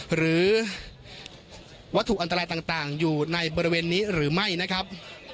หรือวัตถุอันตรายต่างอยู่ในบริเวณนี้หรือไม่นะครับ